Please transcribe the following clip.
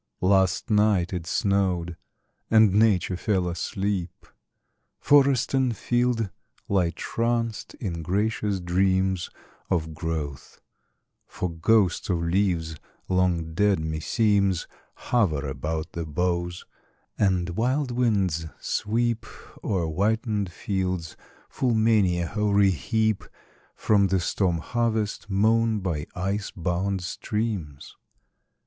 Last night it snowed; and Nature fell asleep. Forest and field lie tranced in gracious dreams Of growth, for ghosts of leaves long dead, me seems, Hover about the boughs; and wild winds sweep O'er whitened fields full many a hoary heap From the storm harvest mown by ice bound streams!